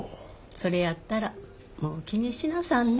それやったらもう気にしなさんな。